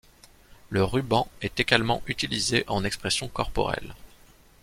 Le ruban est également utilisé en expression corporelle.